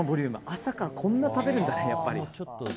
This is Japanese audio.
朝からこんな食べるんだねやっぱり。